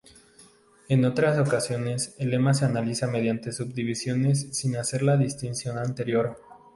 En otras ocasiones, el lema se analiza mediante subdivisiones sin hacer la distinción anterior.